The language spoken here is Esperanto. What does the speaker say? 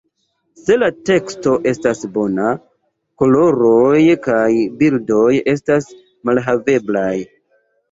Se la teksto estas bona, koloroj kaj bildoj estas malhaveblaj.